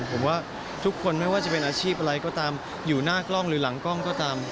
ผมว่าทุกคนไม่ว่าจะเป็นอาชีพอะไรก็ตามอยู่หน้ากล้องหรือหลังกล้องก็ตาม